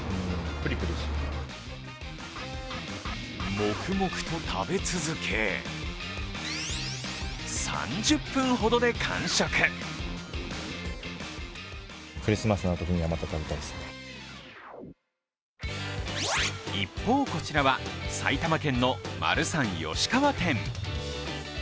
黙々と食べ続け、３０分ほどで完食一方、こちらは埼玉県のマルサン吉川店。